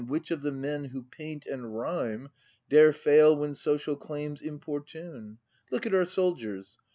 Which of the men who paint and rhyme Dare fail when social claims importune ? Look at our soldiers!